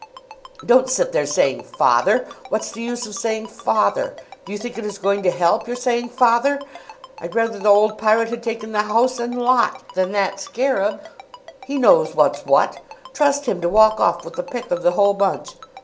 "Don't sit there saying 'Father!' What's the use of saying 'Father!'? Do you think it is going to help your saying 'Father!'? I'd rather the old pirate had taken the house and lot than that scarab. He knows what's what! Trust him to walk off with the pick of the whole bunch!